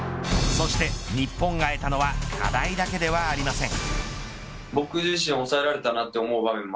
そして日本が与えたのは課題だけではありません。